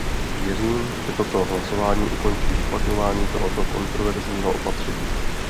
Věřím, že toto hlasování ukončí uplatňování tohoto kontroverzního opatření.